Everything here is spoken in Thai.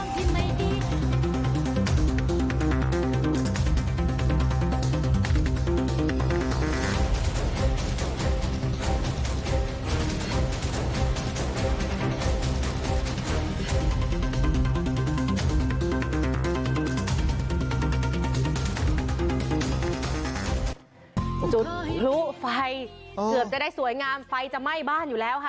จุดพลุไฟเกือบจะได้สวยงามไฟจะไหม้บ้านอยู่แล้วค่ะ